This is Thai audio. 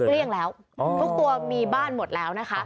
เกลี้ยงแล้วทุกตัวมีบ้านหมดแล้วนะคะ